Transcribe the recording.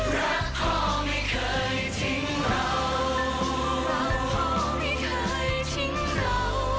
รักพ่อไม่เคยทิ้งเราเราพ่อไม่เคยทิ้งเรา